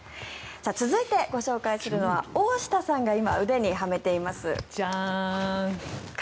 続いてご紹介するのは大下さんが今腕にはめています